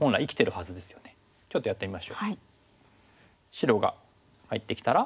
白が入ってきたら？